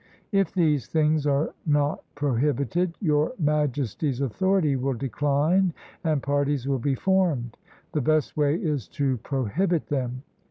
If these things are not prohibited, Your Majesty's authority will decline and parties will be formed. The best way is to prohibit them.